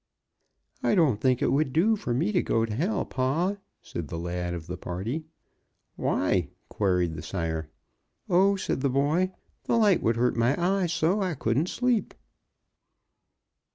"I don't think it would do for me to go to hell, pa," said the lad of the party. "Why?" queried the sire. "Oh," said the boy, "the light would hurt my eyes so, I couldn't sleep."